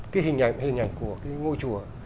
cái hình ảnh của ngôi chùa